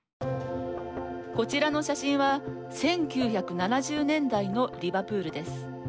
こちらの写真は１９７０年代のリバプールです。